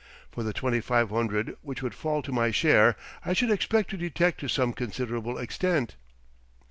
For the twenty five hundred which would fall to my share, I should expect to detect to some considerable extent."